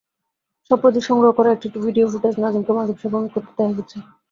সম্প্রতি সংগ্রহ করা একটি ভিডিও ফুটেজে নাজিমকে মাদক সেবন করতে দেখা গেছে।